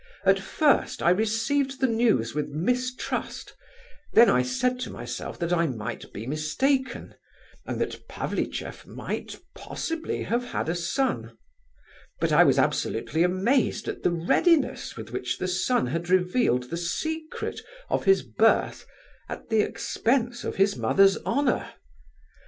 "At first I received the news with mistrust, then I said to myself that I might be mistaken, and that Pavlicheff might possibly have had a son. But I was absolutely amazed at the readiness with which the son had revealed the secret of his birth at the expense of his mother's honour.